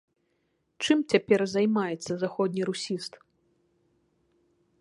Чым цяпер займаецца заходнерусіст?